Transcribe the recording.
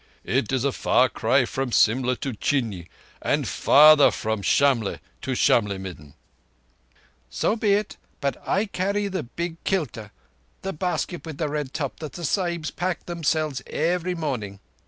It is a far cry from Simla to Chini, and farther from Shamlegh to Shamlegh midden." "So be it, but I carry the big kilta. The basket with the red top that the Sahibs pack themselves every morning."